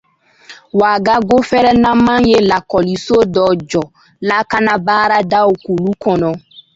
Ouaga gofɛrɛnaman ye lakɔliso dɔ jɔ lakana baaradaw kulu kɔnɔ.